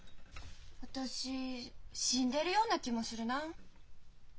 私死んでるような気もするなあ。